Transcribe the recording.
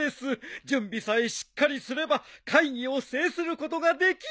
準備さえしっかりすれば会議を制することができるでしょう！